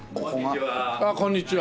こんにちは。